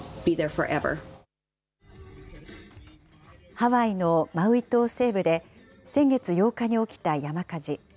ハワイのマウイ島西部で先月８日に起きた山火事。